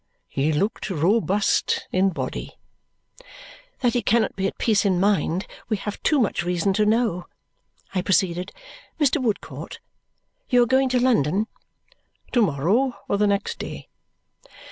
He looked robust in body. "That he cannot be at peace in mind, we have too much reason to know," I proceeded. "Mr. Woodcourt, you are going to London?" "To morrow or the next day."